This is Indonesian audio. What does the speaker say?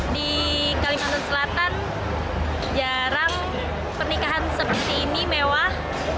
di kalimantan selatan jarang pernikahan seperti ini mewah